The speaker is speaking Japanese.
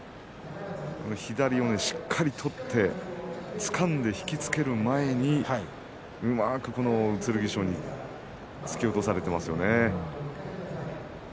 左をしっかり取ってつかんで引き付ける前にうまく剣翔に突き落とされていますよね。